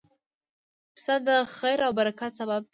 پسه د خیر او برکت سبب دی.